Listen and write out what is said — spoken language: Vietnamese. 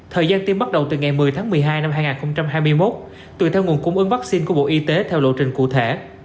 thời gian tiêm bắt đầu từ ngày một mươi tháng một mươi hai năm hai nghìn hai mươi một tùy theo nguồn cung ứng vaccine của bộ y tế theo lộ trình cụ thể